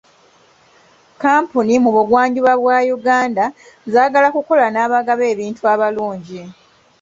Kampuni mu buggwanjuba bwa Uganda zaagala kukola n'abagaba ebintu abalungi.